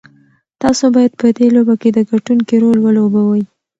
تاسو بايد په دې لوبه کې د ګټونکي رول ولوبوئ.